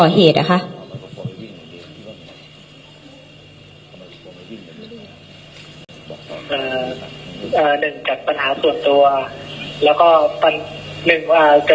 เอ่อเอ่อหนึ่งจัดปัญหาส่วนตัวแล้วก็หนึ่งเอ่อ